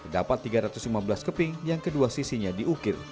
dapat tiga ratus lima belas keping yang kedua sisinya diukir